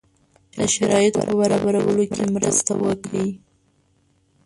د شرایطو په برابرولو کې مرسته وکړي.